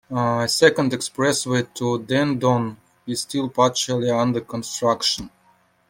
A second expressway to Dandong is still partially under construction.